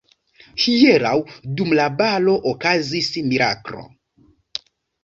Hieraŭ dum la balo okazis miraklo.